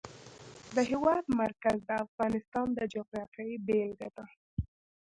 د هېواد مرکز د افغانستان د جغرافیې بېلګه ده.